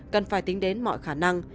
cần phải tính đến mọi khả năng